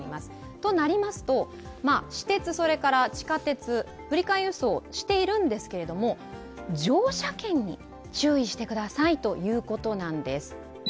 となりますと、私鉄、地下鉄、振り替え輸送しているんですけど乗車券に注意してくださいということなんです。